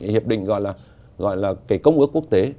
hiệp định gọi là công ước quốc tế